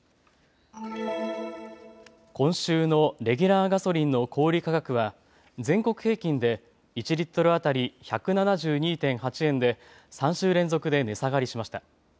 今週のレギュラーガソリンの小売価格は全国平均で１リットル当たり１７２．８円で３週連続で値下がりしました。